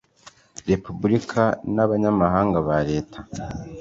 Repubulika n Abanyamabanga ba Leta